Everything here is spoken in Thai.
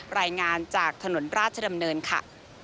รายงานจากถนนราชดำเนินค่ะ